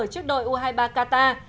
trước đội u hai mươi ba qatar